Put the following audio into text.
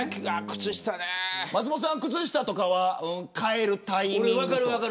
松本さん、靴下とかは替えるタイミングとか。